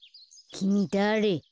きみだれ？